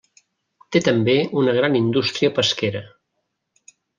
Té també una gran indústria pesquera.